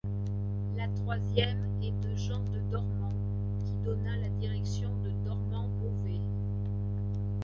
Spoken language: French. La troisième est de Jean de Dormans qui donna la direction de Dormans-Beauvais.